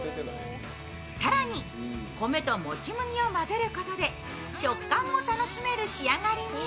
更に、米ともち麦を混ぜることで食感も楽しめる仕上がりに。